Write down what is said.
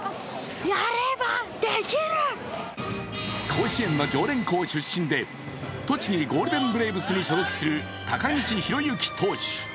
甲子園の常連校出身で、栃木ゴールデンブレーブスに所属する高岸宏行投手。